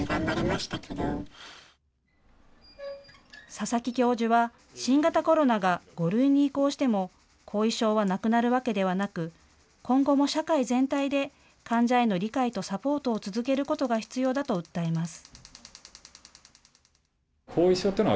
佐々木教授は新型コロナが５類に移行しても後遺症はなくなるわけではなく今後も社会全体で患者への理解とサポートを続けることが必要だと訴えます。